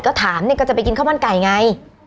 ก็ถามเนี่ยก็จะไปกินข้าวมันไก่ไง